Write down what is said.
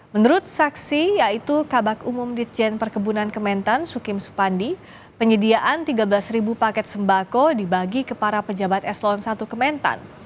menurut saksi yaitu kabak umum ditjen perkebunan kementan sukim supandi penyediaan tiga belas paket sembako dibagi ke para pejabat eselon satu kementan